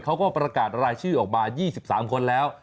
เขาก็ประกาศรายชื่อออกมา๒๓คนแล้ว